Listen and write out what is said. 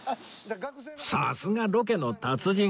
さすがロケの達人！